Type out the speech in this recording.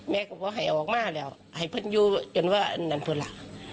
แม่ก็บอกให้ออกมาแล้วให้พันธุ์อยู่จนว่านั้นเพราะล่ะ